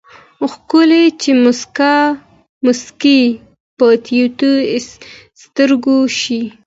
ښکلے چې مسکې په ټيټو سترګو شي